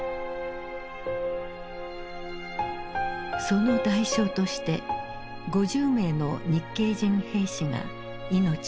その代償として５０名の日系人兵士が命を落とした。